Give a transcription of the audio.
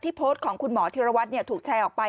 โพสต์ของคุณหมอธิรวัตรถูกแชร์ออกไป